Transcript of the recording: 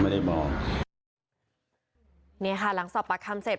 ไม่ได้บอกไม่ได้บอกเนี่ยค่ะหลังสอบปรักคำเสร็จ